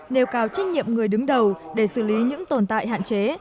nêu cao trách nhiệm người đứng đầu để xử lý những tồn tại hạn chế